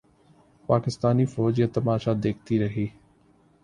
پاکستانی فوج یہ تماشا دیکھتی رہی۔